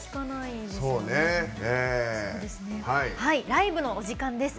ライブのお時間です。